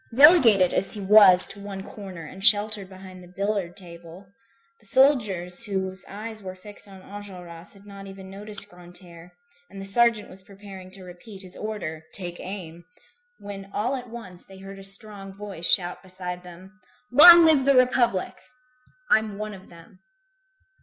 Relegated, as he was, to one corner, and sheltered behind the billiard table, the soldiers whose eyes were fixed on Enjolras, had not even noticed Grantaire, and the sergeant was preparing to repeat his order: "Take aim!" when all at once, they heard a strong voice shout beside them: "Long live the Republic! I'm one of them."